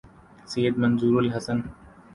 سید Manzoor الحسن